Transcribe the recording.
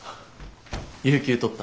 有休取った。